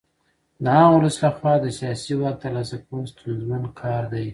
د عام ولس لخوا د سیاسي واک ترلاسه کول ستونزمن کار دی.